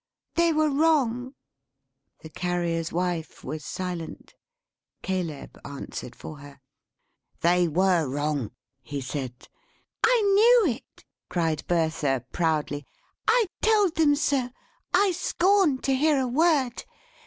They were wrong." The Carrier's Wife was silent. Caleb answered for her. "They were wrong," he said. "I knew it!" cried Bertha, proudly. "I told them so. I scorned to hear a word!